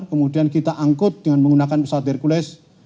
kemudian kita angkut dengan menggunakan pesawat hercules